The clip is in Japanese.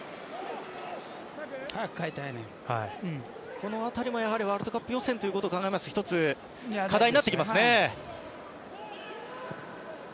この辺りもワールドカップ予選ということを考えますと１つ、課題になってきますね。